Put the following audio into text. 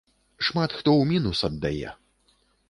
Шмат хто ў мінус аддае.